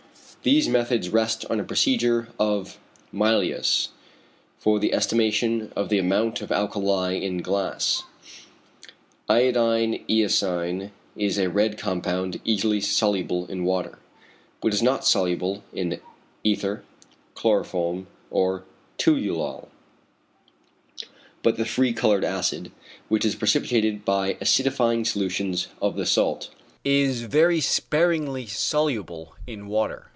These methods rest on a procedure of Mylius for the estimation of the amount of alkali in glass. Iodine eosine is a red compound easily soluble in water, which is not soluble in ether, chloroform, or toluol. But the free coloured acid, which is precipitated by acidifying solutions of the salt, is very sparingly soluble in water.